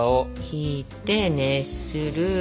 ひいて熱する。